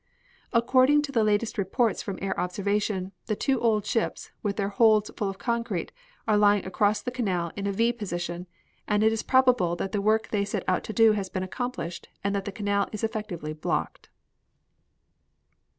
According to the latest reports from air observation the two old ships, with their holds full of concrete, are lying across the canal in a V position, and it is probable that the work they set out to do has been accomplished and that the canal is effectively blocked."